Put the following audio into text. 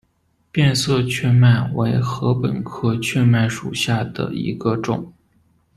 变色雀麦为禾本科雀麦属下的一个种。